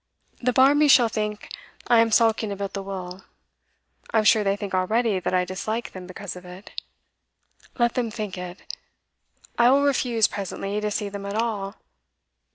The Barmbys shall think I am sulking about the will; I'm sure they think already that I dislike them because of it. Let them think it; I will refuse, presently, to see them at all.